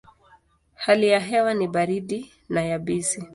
Hali ya hewa ni baridi na yabisi.